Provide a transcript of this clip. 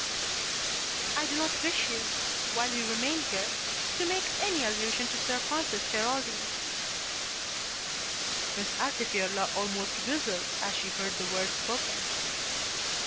"I do not wish you, while you remain here, to make any allusion to Sir Francis Geraldine." Miss Altifiorla almost whistled as she heard the words spoken.